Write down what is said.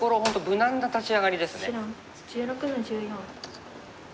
無難な立ち上がりですね。